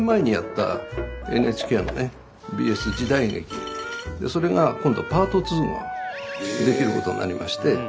「小吉の女房」ってそれが今度パート２ができることになりまして。